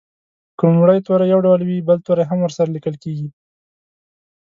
که لومړی توری یو ډول وي بل توری هم ورسره لیکل کیږي.